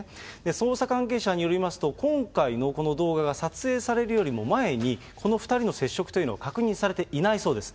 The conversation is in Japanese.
捜査関係者によりますと、今回のこの動画が撮影されるよりも前に、この２人の接触というのは確認されていないそうです。